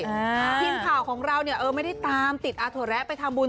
ทีมข่าวของเราเนี่ยเออไม่ได้ตามติดอาถวแระไปทำบุญ